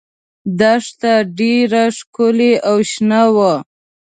دښته ډېره ښکلې او شنه وه.